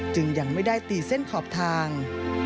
ยังไม่ได้ตีเส้นขอบทาง